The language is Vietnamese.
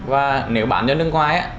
và nếu bán ở nước ngoài